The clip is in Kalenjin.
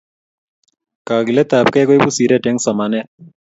Kakilet ab kei koipu siret eng somanet